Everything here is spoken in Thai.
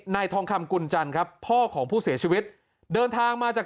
ทองคำกุญจันทร์ครับพ่อของผู้เสียชีวิตเดินทางมาจาก